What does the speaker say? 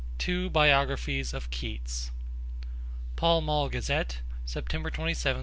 TWO BIOGRAPHIES OF KEATS (Pall Mall Gazette, September 27, 1887.)